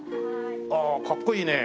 ああかっこいいねえ。